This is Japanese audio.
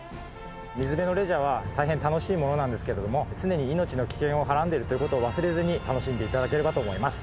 水辺のレジャーは大変楽しいものなんですけれども常に命の危険をはらんでいるという事を忘れずに楽しんで頂ければと思います。